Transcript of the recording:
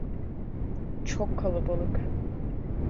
Çok kalabalık.